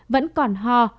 vẫn còn ho